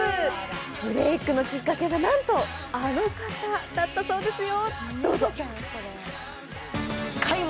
ブレイクのきっかけが、なんと、あの方だったそうですよ。